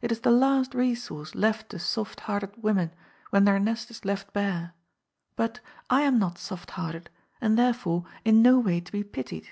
It is the last resource left to soft hearted women, when their nest is left bare, but I am not soft hearted, and, therefore, in no way to be pitied.